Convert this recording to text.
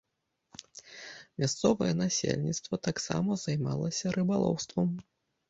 Мясцовае насельніцтва таксама займалася рыбалоўствам.